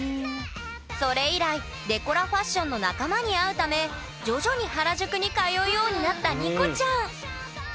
それ以来デコラファッションの仲間に会うため徐々に原宿に通うようになったＮＩＣＯちゃん。